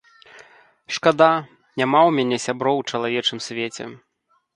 Шкада, няма ў мяне сяброў у чалавечым свеце!